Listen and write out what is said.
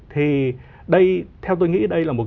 thì đây theo tôi nghĩ đây là một